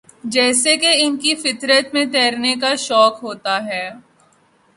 جیسے کہ ان کی فطر ت میں تیرنے کا شوق ہوتا ہے